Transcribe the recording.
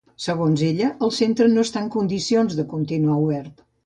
Segons ella, el centre no està en condicions de continuar obert.